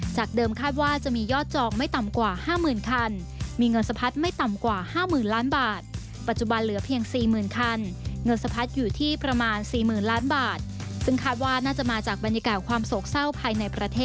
จากเดิมคาดว่าจะมียอดจองไม่ต่ำกว่าห้าหมื่นคันมีเงินสะพัดไม่ต่ำกว่าห้าหมื่นล้านบาท